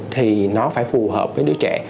thì nó phải phù hợp với đứa trẻ